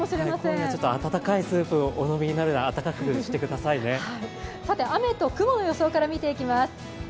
今夜、ちょっと温かいスープをお飲みになるなり雲の予想を見ていきます。